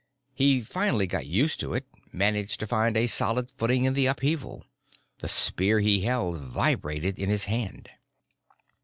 He finally got used to it, managed to find a solid footing in the upheaval. The spear he held vibrated in his hand.